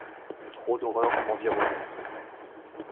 Trop d'horreurs m'environnaient.